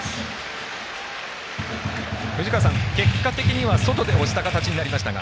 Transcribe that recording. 藤川さん、結果的には外で押した形になりましたが。